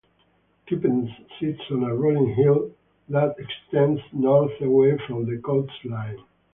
Kippens sits on a rolling hill that extends north away from the coastline.